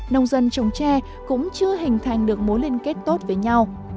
nông dân trồng tre cũng chưa hình thành được mối liên kết tốt với nhau